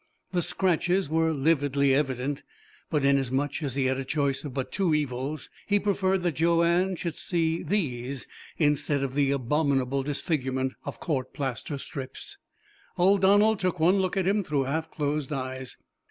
The scratches were lividly evident, but, inasmuch as he had a choice of but two evils, he preferred that Joanne should see these instead of the abominable disfigurement of court plaster strips. Old Donald took one look at him through half closed eyes.